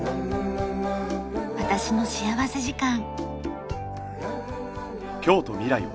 『私の幸福時間』。